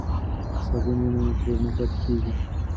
که صابون وي نو مکروب نه پاتې کیږي.